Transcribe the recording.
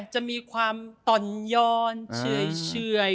จะมีความต่อนย้อนเฉย